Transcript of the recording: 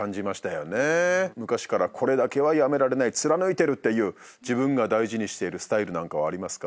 昔からこれだけはやめられない貫いてるっていう自分が大事にしているスタイルなんかはありますか？